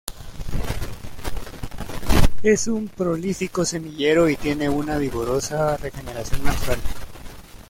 Es un prolífico semillero y tiene una vigorosa regeneración natural.